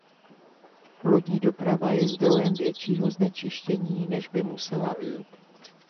Lodní doprava je zdrojem většího znečištění, než by musela být.